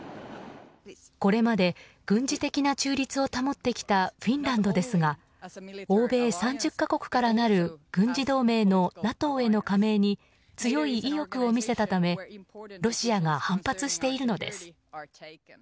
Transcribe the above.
これまで軍事的な中立を保ってきたフィンランドですが欧米３０か国からなる軍事同盟のＮＡＴＯへの加盟に強い意欲を見せたためロシアが反発しているのです。